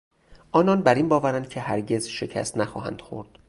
آنان بر این باورند که هرگز شکست نخواهند خورد.